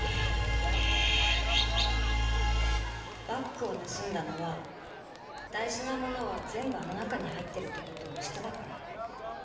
バッグを盗んだのは大事なものは全部あの中に入ってるって事を知ってたから。